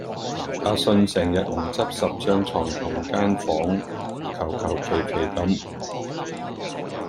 阿信成日唔執拾張床同間房澩澩嫪嫪咁